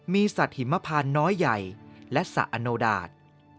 มีสัตว์หิมพานน้อยใหญ่และสระอโนดาต